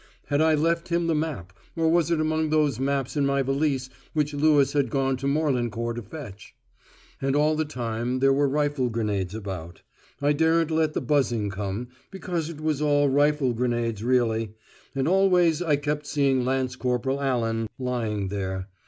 Had I left him the map, or was it among those maps in my valise which Lewis had gone to Morlancourt to fetch? And all the time there were rifle grenades about; I daren't let the buzzing come, because it was all rifle grenades really; and always I kept seeing Lance Corporal Allan lying there.